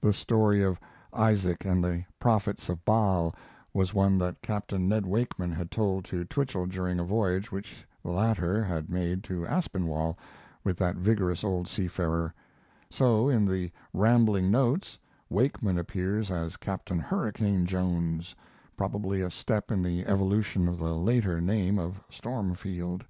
The story of "Isaac and the Prophets of Baal" was one that Capt. Ned Wakeman had told to Twichell during a voyage which the latter had made to Aspinwall with that vigorous old seafarer; so in the "Rambling Notes" Wakeman appears as Captain Hurricane Jones, probably a step in the evolution of the later name of Stormfield.